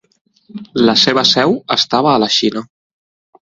La seva seu estava a la Xina.